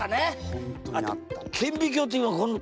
本当にあったんだ。